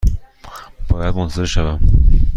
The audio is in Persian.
باید منتظر شوم؟